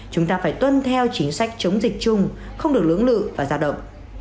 chúng ta phải tuân theo chính sách chống dịch chung không được lưỡng lự và ra động